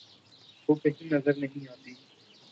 وہ کہیں نظر نہیں آتی۔